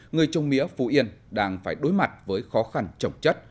người trung mía phú yên đang phải đối mặt với khó khăn trọng chất